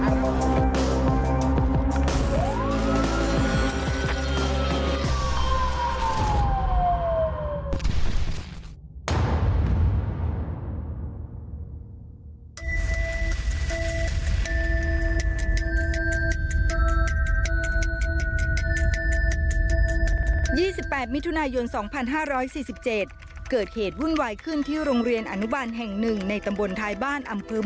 ๒๘มิถุนายน๒๕๔๗เกิดเหตุวุ่นวายขึ้นที่โรงเรียนอนุบันแห่งหนึ่งในตำบลท้ายบ้านอำเภอเมือง